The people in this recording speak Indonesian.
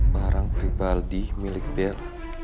barang pribaldi milik bel